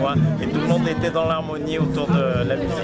dan semua orang ada di dalam harmoni dengan musik